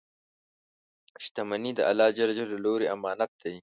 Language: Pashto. • شتمني د الله له لورې امانت دی.